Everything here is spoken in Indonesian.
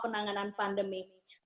soal penanganan pandemi